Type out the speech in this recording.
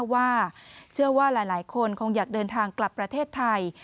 ว่าเชื่อว่าหลายคนคงอยากเดินทางกลับประเทศไทย